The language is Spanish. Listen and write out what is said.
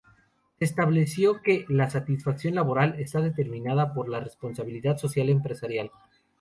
Se estableció que la satisfacción laboral está determinada por la responsabilidad social empresarial.